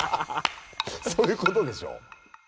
そういうことでしょ。